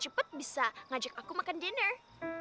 cepet bisa ngajak aku makan dinner